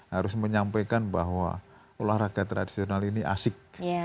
harus menyampaikan bahwa olahraga tradisional ini asik